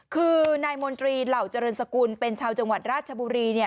คือนายมนตรีเหล่าเจริญสกุลเป็นชาวจังหวัดราชบุรี